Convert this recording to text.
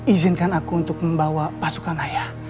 izinkan aku untuk membawa pasukan ayah